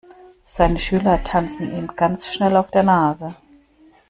Seine Schüler tanzen ihm ganz schnell auf der Nase.